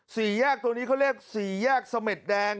สี่แยกตัวนี้เขาเรียกสี่แยกเสม็ดแดง